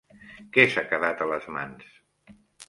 Que s'ha quedat a les mans?